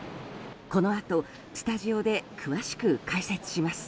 このあと、スタジオで詳しく解説します。